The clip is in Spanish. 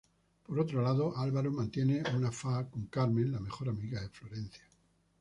Por otro lado, Álvaro mantiene un affaire con Carmen, la mejor amiga de Florencia.